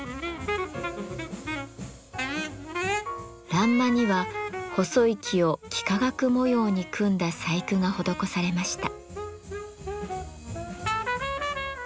欄間には細い木を幾何学模様に組んだ細工が施されました。